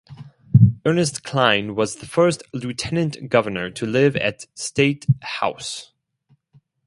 Ernest Kline was the first Lieutenant Governor to live at State House.